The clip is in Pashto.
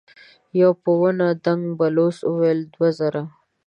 يوه په ونه دنګ بلوڅ وويل: دوه زره.